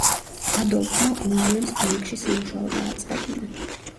ადოლფმა უილიამს ბანკში სამუშაო დააწყებინა.